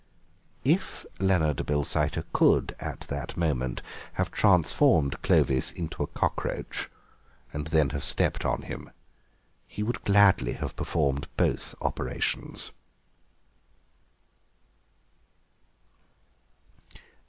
If Leonard Bilsiter could at that moment have transformed Clovis into a cockroach and then have stepped on him he would gladly have performed both operations.